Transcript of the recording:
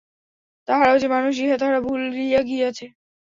তাহারাও যে মানুষ, ইহা তাহারা ভুলিয়া গিয়াছে।